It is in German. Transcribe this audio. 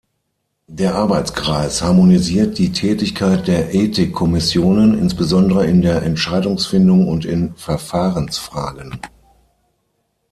Der Arbeitskreis harmonisiert die Tätigkeit der Ethik-Kommissionen, insbesondere in der Entscheidungsfindung und in Verfahrensfragen.